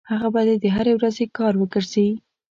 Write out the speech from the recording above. هغه به دې د هرې ورځې کار وګرځي.